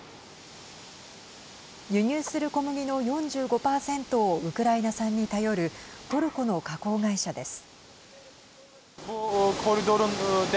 輸入する小麦の４５％をウクライナ産に頼るトルコの加工会社です。